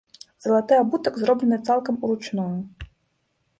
Залаты абутак зроблены цалкам уручную.